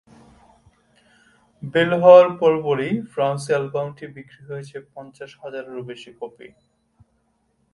বের হওয়ার পরপরই ফ্রান্সে অ্যালবামটি বিক্রি হয়েছে পঞ্চাশ হাজারেরও বেশি কপি।